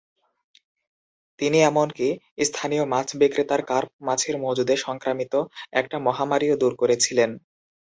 তিনি এমনকি স্থানীয় মাছ বিক্রেতার কার্প মাছের মজুদে সংক্রামিত একটা মহামারীও দূর করেছিলেন।